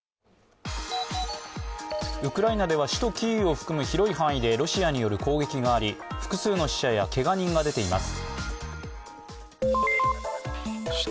ウクライナでは首都キーウを含む拾い範囲でロシアによる攻撃があり、複数の死者やけが人が出ています。